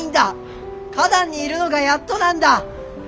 花壇にいるのがやっとなんだ！